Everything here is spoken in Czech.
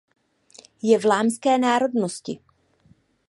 Je vlámské národnosti.